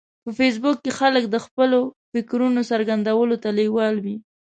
په فېسبوک کې خلک د خپلو فکرونو څرګندولو ته لیوال وي